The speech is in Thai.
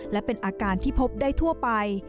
และเป็นอาการที่พบได้ทั่วไป